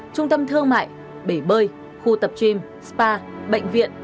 trung tâm thương mại bể bơi khu tập gym spa bệnh viện